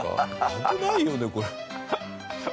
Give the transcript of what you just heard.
危ないよねこれ。